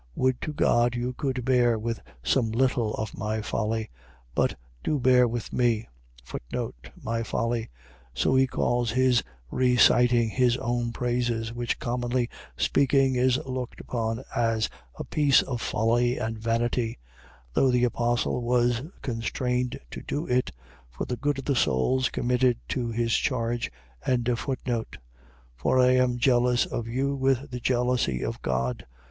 11:1. Would to God you could bear with some little of my folly! But do bear with me. My folly. . .So he calls his reciting his own praises, which, commonly speaking is looked upon as a piece of folly and vanity; though the apostle was constrained to do it, for the good of the souls committed to his charge. 11:2. For I am jealous of you with the jealousy of God.